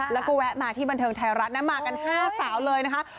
แล้วก็แวะมาที่บันเทิงไทยรัฐนะมากัน๕สาวเลยนะคะ